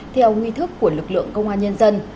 theo nghi thức của lực lượng công an nhân dân